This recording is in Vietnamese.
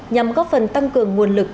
nhằm góp phần tăng cường nguồn lực